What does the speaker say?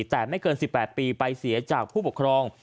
แต่ไม่เกิน๑๘ปีไปเสียจากผู้ปกครอง